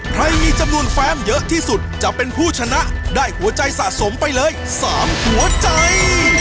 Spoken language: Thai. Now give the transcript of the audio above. ใครมีจำนวนแฟมเยอะที่สุดจะเป็นผู้ชนะได้หัวใจสะสมไปเลย๓หัวใจ